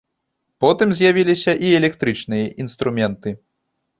Потым з'явіліся і электрычныя інструменты.